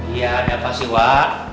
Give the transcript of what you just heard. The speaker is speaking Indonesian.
iya ada apa sih wak